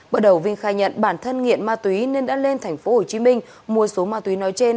bởi đầu vinh khai nhận bản thân nghiện ma túy nên đã lên tp hcm mua số ma túy nói trên